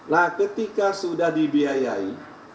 nah ketika sudah dibiayai